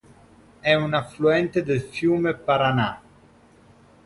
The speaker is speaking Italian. È un affluente del fiume fiume Paraná.